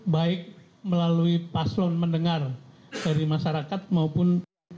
baik melalui paslon mendengar dari masyarakat maupun